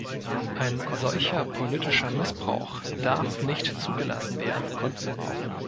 Ein solcher politischer Missbrauch darf nicht zugelassen werden.